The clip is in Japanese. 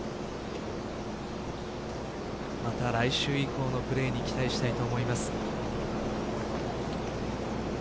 また来週以降のプレーに期待したいと思います。